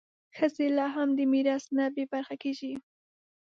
ښځې لا هم د میراث نه بې برخې کېږي.